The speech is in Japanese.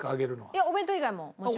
いやお弁当以外ももちろん。